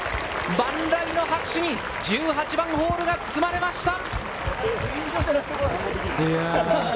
万来の拍手に１８番ホールが包まれました！